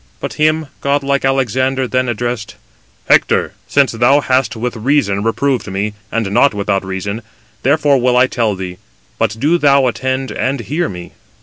But him godlike Alexander then addressed: "Hector, since thou hast with reason reproved me, and not without reason, therefore will I tell thee; but do thou attend and hear me.